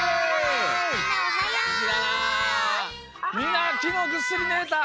みんなきのうぐっすりねれた？